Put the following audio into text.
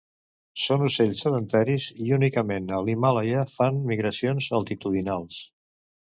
Són ocells sedentaris i únicament a l'Himàlaia fan migracions altitudinals.